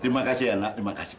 terima kasih ya nak terima kasih